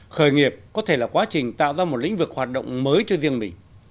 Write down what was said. khởi nghiệp có thể là quá trình tạo ra một lĩnh vực hoạt động mới cho riêng mình